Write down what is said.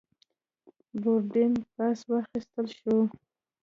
بوردینګ پاس واخیستل شو.